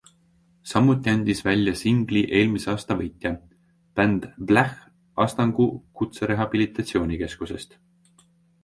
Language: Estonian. Samuti andis välja singli eelmise aasta võitja - bänd Bläh Astangu Kutserehabilitatsioonikeskusest.